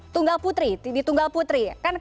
tunggal putri di tunggal putri